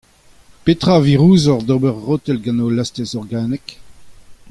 Petra a vir ouzhocʼh d’ober rotel gant ho lastez organek ?